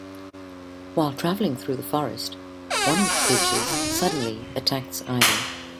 While traveling through the forest, one of the creatures suddenly attacks Ivy.